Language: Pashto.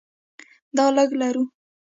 دا لږې لرو.